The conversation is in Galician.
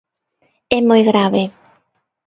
É moi grave.